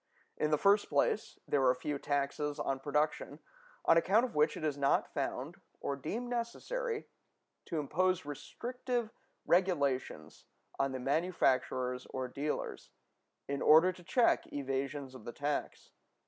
In the first place, there are few taxes on production on account of which it is not found or deemed necessary to impose restrictive regulations on the manufacturers or dealers, in order to check evasions of the tax.